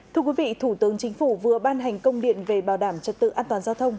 thưa quý vị thủ tướng chính phủ vừa ban hành công điện về bảo đảm trật tự an toàn giao thông